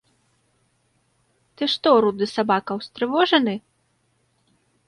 Ты што, руды сабака, устрывожаны?